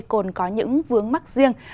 còn có những vướng mắc riêng